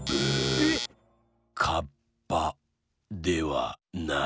えっ⁉カッパではない。